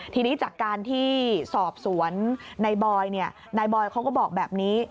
ทีนี้จากการที่สอบสวนในบอยนายบอยเขาก็บอกแบบนี้